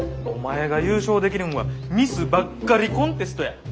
お前が優勝できるんはミスばっかりコンテストや。